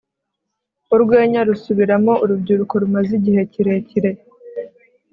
Urwenya rusubiramo urubyiruko rumaze igihe kirekire